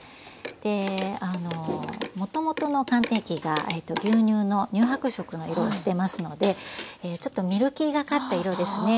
であのもともとの寒天液が牛乳の乳白色の色をしてますのでちょっとミルキーがかった色ですね。